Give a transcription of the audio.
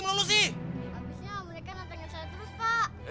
habisnya mereka nantengin saya terus pak